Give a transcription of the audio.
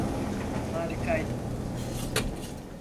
Harikaydım.